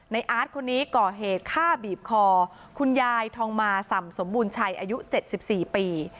อาร์ตคนนี้ก่อเหตุฆ่าบีบคอคุณยายทองมาส่ำสมบูรณชัยอายุ๗๔ปี